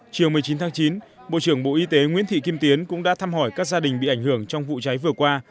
chiều một mươi chín tháng chín bộ trưởng bộ y tế nguyễn thị kim tiến cũng đã thăm hỏi các gia đình bị ảnh hưởng trong vụ cháy vừa qua